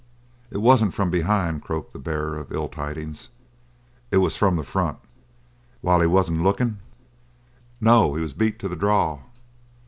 "It wasn't from behind," croaked the bearer of ill tidings. "It was from the front." "While he wasn't looking?" "No. He was beat to the draw."